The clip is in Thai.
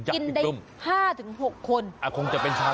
กินได้๕๖คน